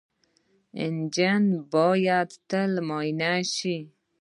انجن باید تل معاینه شي.